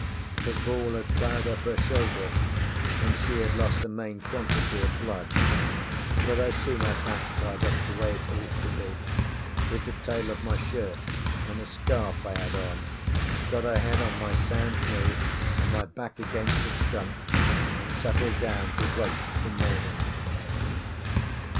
The ball had ploughed up her shoulder, and she had lost a main quantity of blood; but I soon had that tied up the way it ought to be with the tail of my shirt and a scarf I had on, got her head on my sound knee and my back against a trunk, and settled down to wait for morning.